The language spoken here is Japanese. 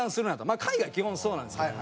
まあ海外基本そうなんですけど。